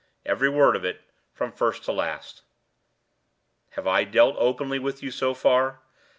"Every word of it, from first to last." "Have I dealt openly with you so far.